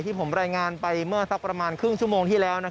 ผมรายงานไปเมื่อสักประมาณครึ่งชั่วโมงที่แล้ว